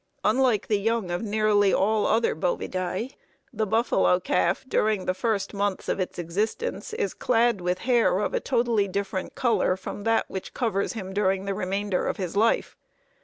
Unlike the young of nearly all other Bovidæ, the buffalo calf during the first months of its existence is clad with hair of a totally different color from that which covers him during the remainder of his life.